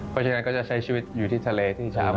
เพราะฉะนั้นก็จะใช้ชีวิตอยู่ที่ทะเลที่ช้ำ